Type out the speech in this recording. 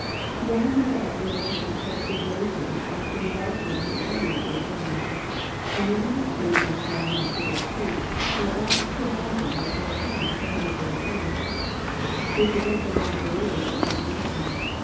The young people are able to earn such good wages as to be largely im dependent of their parents. And when they have paid some small amount for their keep, they are apt to imagine that their parents have no further claim. They forget the long arrears of obligation.